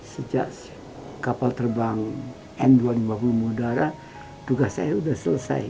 sejak kapal terbang n dua ratus lima puluh mudara tugas saya sudah selesai